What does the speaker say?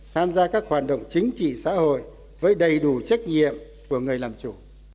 tham gia các hoạt động chính trị xã hội với đầy đủ trách nhiệm của người làm chủ